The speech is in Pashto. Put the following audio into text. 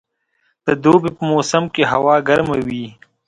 د دوبي په موسم کښي هوا ګرمه وي.